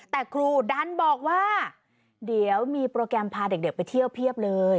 แต่ครูดันบอกว่าเดี๋ยวมีโปรแกรมพาเด็กไปเที่ยวเพียบเลย